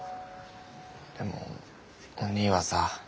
でもおにぃはさ